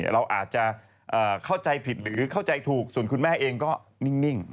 เราอาจจะเข้าใจผิดหรือเข้าใจถูกส่วนคุณแม่เองก็นิ่ง